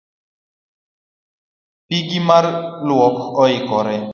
Pigi mar luok oikore